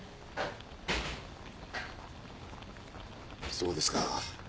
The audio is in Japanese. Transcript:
そうですか。